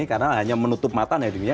karena hanya menutup mata dan hidungnya